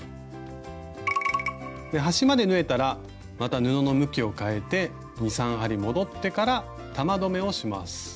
端まで縫えたらまた布の向きを変えて２３針戻ってから玉留めをします。